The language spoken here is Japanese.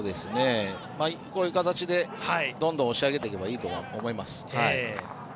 こういう形でどんどん押し上げていけばいいと思います。